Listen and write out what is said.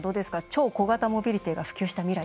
超小型モビリティが普及した未来